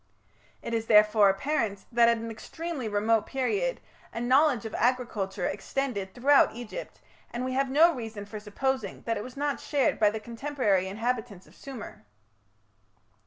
It is therefore apparent that at an extremely remote period a knowledge of agriculture extended throughout Egypt, and we have no reason for supposing that it was not shared by the contemporary inhabitants of Sumer.